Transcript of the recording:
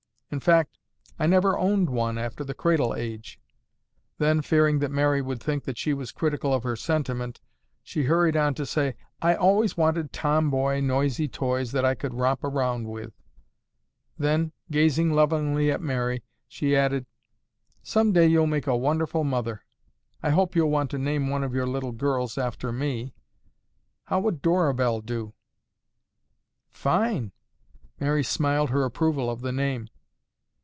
In fact, I never owned one after the cradle age." Then, fearing that Mary would think that she was critical of her sentiment, she hurried on to say, "I always wanted tom boy, noisy toys that I could romp around with." Then, gazing lovingly at Mary, she added, "Someday you'll make a wonderful mother. I hope you'll want to name one of your little girls after me. How would Dorabelle do?" "Fine!" Mary smiled her approval of the name.